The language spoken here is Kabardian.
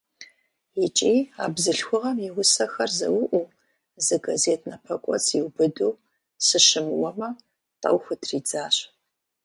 ИкӀи а бзылъхугъэм и усэхэр зэуӀуу, зы газет напэкӀуэцӀ иубыду, сыщымыуэмэ, тӀэу хутридзащ.